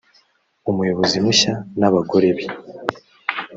umuyobozi mushya n abagore be